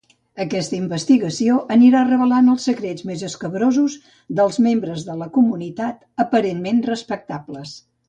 Aquesta investigació anirà revelant els secrets més escabrosos dels membres de la comunitat, aparentment respectables.